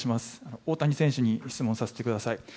大谷選手に質問させてください。